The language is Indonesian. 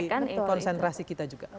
itu akan menjadi konsentrasi kita juga